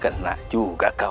kena juga kau